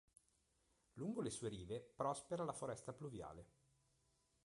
Lungo le sue rive prospera la foresta pluviale.